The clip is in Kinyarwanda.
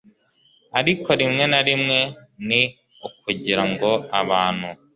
ariko rimwe na rimwe ni ukugira ngo abantu